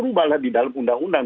rubahlah di dalam undang undang